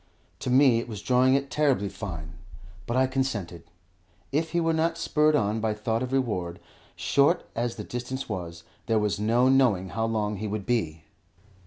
To me it was drawing it terribly fine, but I consented. If he were not spurred on by thought of reward, short as the distance was, there was no knowing how long he would be.